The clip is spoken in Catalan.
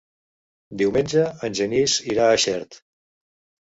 Diumenge en Genís irà a Xert.